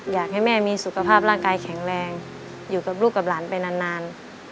อยากให้แม่มีสุขภาพร่างกายแข็งแรงอยู่กับลูกกับหลานไปนาน